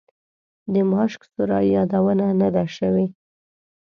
د ماشک سرای یادونه نه ده شوې.